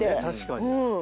確かに。